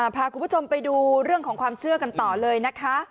พาคุณผู้ชมไปดูเรื่องของความเชื่อกันต่อเลยนะคะ